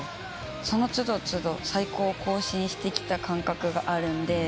その都度都度最高を更新してきた感覚があるんで。